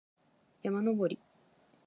山登り